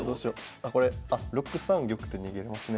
あこれ６三玉って逃げれますね。